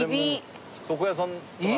床屋さんとか。